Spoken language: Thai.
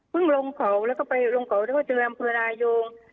เพิ่งลงเขาแล้วก็ไปลงเขาแล้วก็เจออำเภอรายงค์